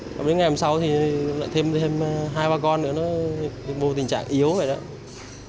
còn đến ngày hôm sau thì lại thêm hai ba con nữa nó vô tình trạng yếu vậy đó